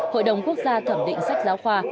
hội đồng quốc gia thẩm định sách giáo khoa